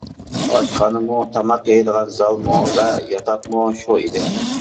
ئاشخانىمۇ، تاماق يەيدىغان زالمۇ ۋە ياتاقمۇ شۇ ئىدى.